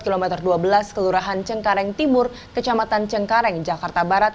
kilometer dua belas kelurahan cengkareng timur kecamatan cengkareng jakarta barat